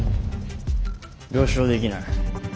了承できない。